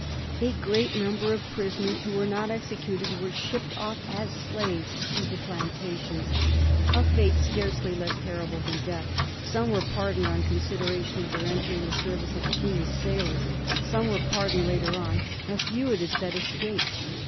A great number of prisoners who were not executed were shipped off as slaves to the plan tations, a fate scarcely less terrible than death; some were pardoned on consideration of tlieir entering the service of the King as sailors; some were pardoned later on; a few, it is said, escaped.